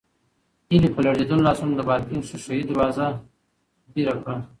هیلې په لړزېدلو لاسونو د بالکن شیشه یي دروازه بېره کړه.